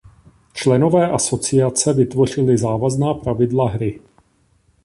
Členové asociace vytvořili závazná pravidla hry.